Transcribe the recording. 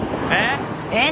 えっ？